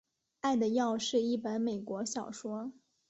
爱的药是一本美国小说。